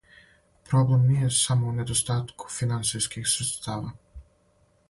Проблем није само у недостатку финансијских средстава.